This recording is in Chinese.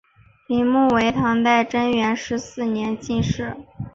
李翱为唐代贞元十四年进士。